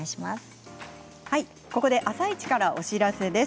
「あさイチ」からお知らせです。